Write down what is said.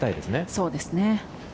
そうですね。